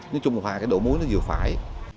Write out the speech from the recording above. cho nó trung hòa cái độ muối nó vừa phải